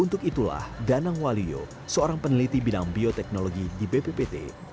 untuk itulah danang walio seorang peneliti bidang bioteknologi di bppt